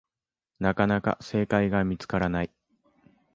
なかなか正解が見つからない